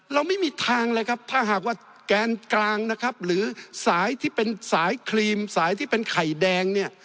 เราไม่มีทางเลยครับถ้าหากว่าแกนกลางนะครับหรือสายที่เป็นสายครีมสายที่เป็นไข่แดงเนี่ย